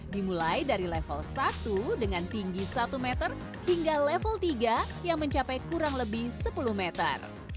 dimulai dari level satu dengan tinggi satu meter hingga level tiga yang mencapai kurang lebih sepuluh meter